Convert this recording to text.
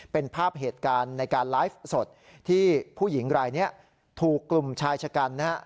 เป็นภาพเหตุการณ์ในการไลฟ์สดที่ผู้หญิงรายนี้ถูกกลุ่มชายชะกันนะฮะ